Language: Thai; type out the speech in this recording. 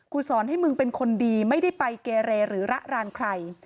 สอนให้มึงเป็นคนดีไม่ได้ไปเกเรหรือระรานใคร